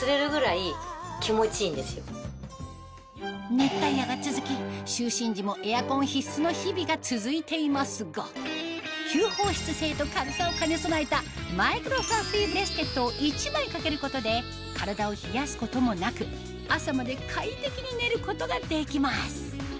熱帯夜が続き就寝時もエアコン必須の日々が続いていますが吸放湿性と軽さを兼ね備えたマイクロフラッフィーブレスケットを一枚かけることで体を冷やすこともなく朝まで快適に寝ることができます